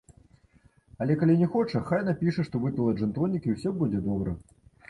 Але, калі не хоча, хай напіша, што выпіла джын-тонік, і ўсё будзе добра.